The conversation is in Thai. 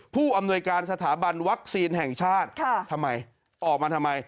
ผู้อำนวยการสถาบันวัคซีนแห่งชาติทำไมออกมาทำไม